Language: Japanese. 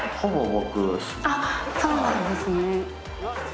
あっそうなんですね。